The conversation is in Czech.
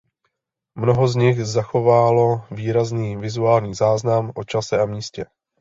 Mnoho z nich zachovalo výrazný vizuální záznam o čase a místě.